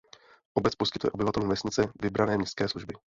Obec poskytuje obyvatelům vesnice vybrané městské služby.